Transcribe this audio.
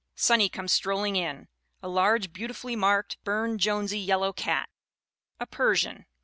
Sonny comes strolling in, a large, beautifully marked Burne Jonesy yellow cat," a Per sian.